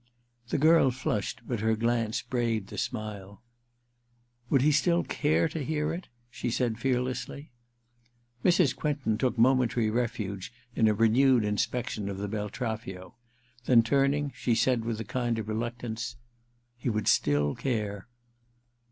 The girl flushed, but her glance braved the smile. * Would he still care to hear it ?' she said fearlessly. Ill THE QUICKSAND 303 Mrs. Quentin took momentary refuge in a renewed inspection of the Beltraffio ; then, turning, she said, with a kind of reluctance :* He would still care.'